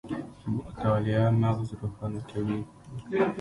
مطالعه مغز روښانه کوي